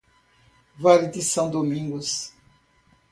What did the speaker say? Vale de São Domingos